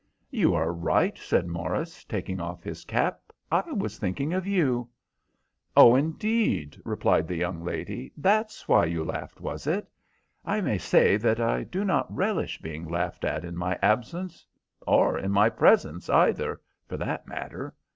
"You are right," said Morris, taking off his cap, "I was thinking of you." "Oh, indeed," replied the young lady, "that's why you laughed, was it? I may say that I do not relish being laughed at in my absence, or in my presence either, for that matter."